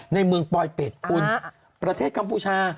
ในเมืองปลอยเป็ดคุณประเทศกัมพูชา